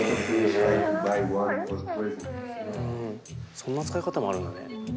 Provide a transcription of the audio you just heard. そんな使い方もあるんだね。